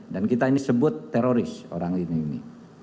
dan kita ini sebut teroris orang ini